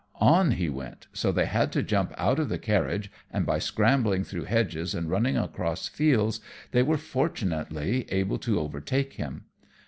On he went; so they had to jump out of the carriage, and by scrambling through hedges and running across fields they were, fortunately, able to overtake him.